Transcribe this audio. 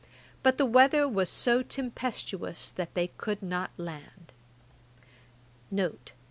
But the weather was so tempestuous that they could not land.